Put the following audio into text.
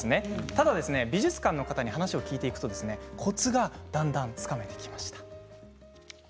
ただ美術館の方に話を聞いていくとコツがだんだんつかめてきました。